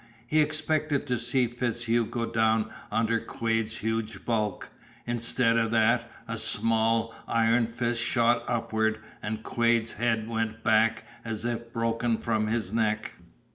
He expected to see FitzHugh go down under Quade's huge bulk. Instead of that, a small, iron fist shot upward and Quade's head went back as if broken from his neck.